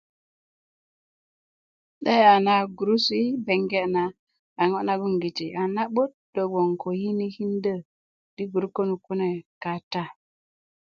'de'ya na gurusu yi beŋge na a ŋo' nagongiti a na'but do gboŋ ko yinikindö ti gurut könuk kune kata